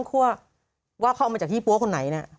เพราะต้นคั่วว่าเขาออกมาจากที่ปั้วคนไหนเนี้ย